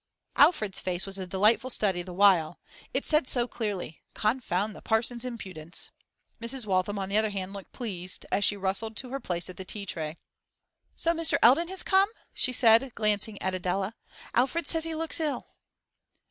Alfred's face was a delightful study the while; it said so clearly, 'Confound the parson's impudence!' Mrs. Waltham, on the other hand, looked pleased as she rustled to her place at the tea tray. 'So Mr. Eldon has come?' she said, glancing at Adela. 'Alfred says he looks ill.